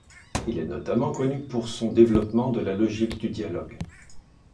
Il est notamment connu pour son développement de la logique du dialogue.